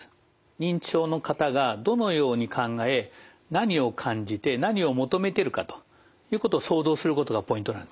認知症の方がどのように考え何を感じて何を求めてるかということを想像することがポイントなんですね。